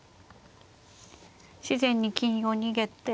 自然に金を逃げて。